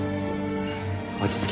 落ち着け。